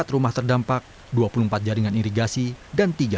empat rumah terdampak dua puluh empat jaringan irigasi dan tiga